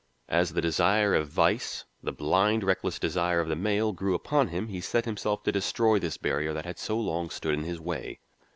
As the desire of vice, the blind, reckless desire of the male, grew upon him, he set himself to destroy this barrier that had so long stood in his way.